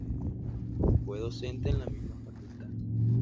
Fue docente en la misma facultad.